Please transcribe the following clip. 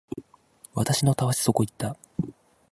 私のたわしそこ行った